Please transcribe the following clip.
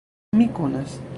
Mi konas.